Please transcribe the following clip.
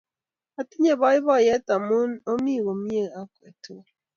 Atinye poipoiyet amun omi komnye akwek tukul